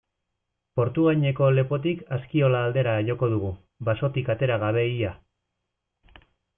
Portugaineko lepotik Askiola aldera joko dugu, basotik atera gabe ia.